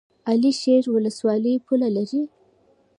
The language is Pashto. علي شیر ولسوالۍ پوله لري؟